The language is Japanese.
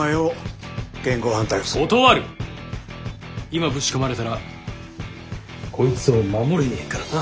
今ブチこまれたらこいつを守れねえからな。